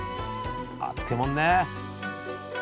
あ漬物ね。